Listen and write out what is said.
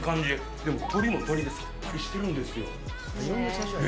でも鶏も鶏でさっぱりしてるんですよ。